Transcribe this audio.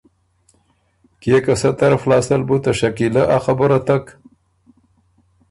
کيې که سۀ طرف لاسته ال بُو ته شکیلۀ ا خبُره تک